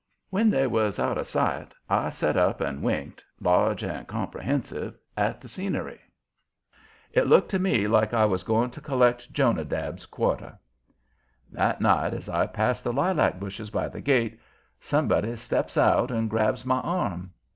When they was out of sight I set up and winked, large and comprehensive, at the scenery. It looked to me like I was going to collect Jonadab's quarter. That night as I passed the lilac bushes by the gate, somebody steps out and grabs my arm.